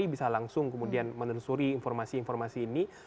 bisa langsung kemudian menelusuri informasi informasi ini